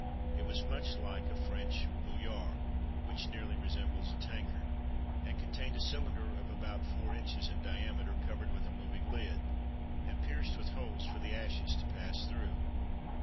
It was much like a French bouilloire (which nearly resembles a tankard), and contained a cylinder of about four inches in diameter, covered with a moving lid, and pierced with holes for the ashes to pass through.